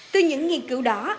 từ những nghiên cứu đó